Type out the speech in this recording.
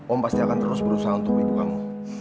om pasti akan terus berusaha untuk ibu kamu